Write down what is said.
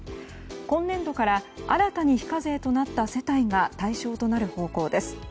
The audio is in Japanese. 今年度から新たに非課税となった世帯が対象となる方向です。